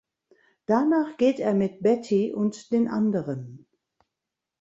Danach geht er mit Batty und den anderen.